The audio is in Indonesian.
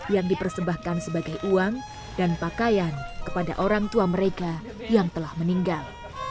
yang dipersembahkan sebagai uang dan pakaian kepada orang tua mereka yang telah meninggal